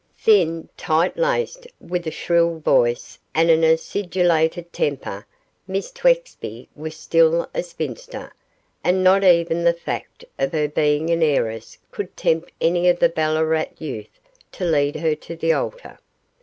Thin, tight laced, with a shrill voice and an acidulated temper, Miss Twexby was still a spinster, and not even the fact of her being an heiress could tempt any of the Ballarat youth to lead her to the altar.